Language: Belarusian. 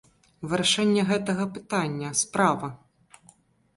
Вырашэнне гэтага пытання, справа.